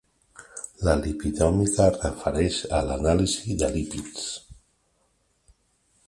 La lipidòmica es refereix a l'anàlisi de lípids.